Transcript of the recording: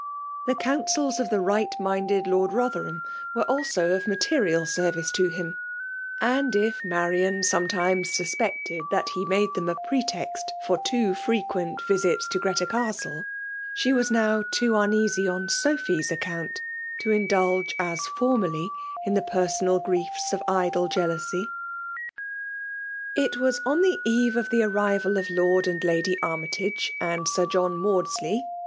The counsels of Urn^ right mdnded Lord Ro^ierham were aho <|f material service to him; and if Man«a^sowl^ tiDo^es suspected tliat he made them a pretext for too freqdent visits to Greta Castlei d» was now too uneasy on Sophy*a account to ipdulge as formerly, in the personal griefs of; idJ^o jealousy. .. r It. was on the. eve of the arrival of j^effd; and Lady Armytage^ and Sir John Maodslsy.